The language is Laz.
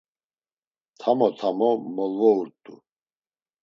Tamo tamo molvourt̆u.